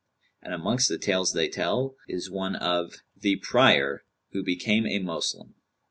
And amongst the tales they tell is one of THE PRIOR WHO BECAME A MOSLEM.